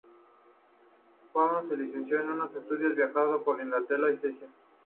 Cuando se licenció en sus estudios, viajó por Inglaterra y Suecia.